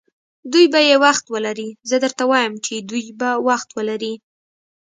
دوی به یې وخت ولري، زه درته وایم چې دوی به وخت ولري.